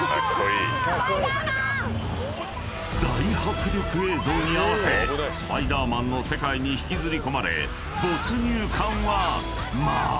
［大迫力映像に合わせ『スパイダーマン』の世界に引きずり込まれ］